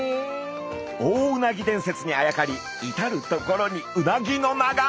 大うなぎ伝説にあやかり至る所にうなぎの名が！